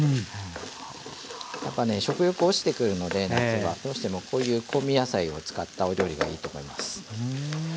やっぱね食欲落ちてくるので夏はどうしてもこういう香味野菜を使ったお料理がいいと思います。